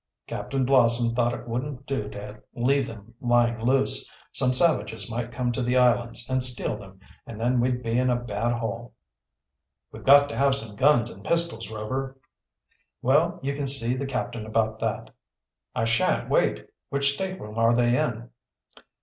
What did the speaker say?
Captain Blossom thought it wouldn't do to leave them lying loose. Some savages might come to the islands and steal them, and then we'd be in a bad hole." "We've got to have some guns and pistols, Rover." "Well, you can see the captain about that." "I shan't wait. Which stateroom are they in?"